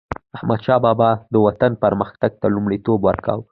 احمدشاه بابا به د وطن پرمختګ ته لومړیتوب ورکاوه.